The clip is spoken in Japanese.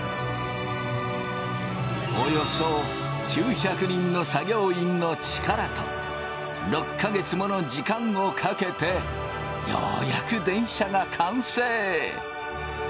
およそ９００人の作業員の力と６か月もの時間をかけてようやく電車が完成。